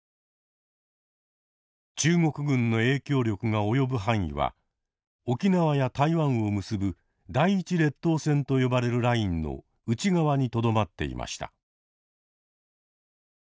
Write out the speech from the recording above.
中国軍の影響力が及ぶ範囲は沖縄や台湾を結ぶ第１列島線と呼ばれるラインの内側にとどまっていました。